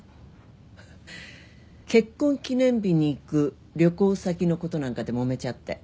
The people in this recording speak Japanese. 結婚記念日に行く旅行先のことなんかでもめちゃって。